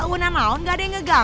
uwena naon gak ada yang ngejualan dia